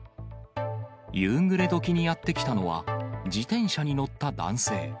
夕暮れどきにやって来たのは、自転車に乗った男性。